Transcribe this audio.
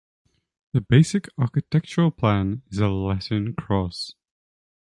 The basic architectural plan is a Latin cross.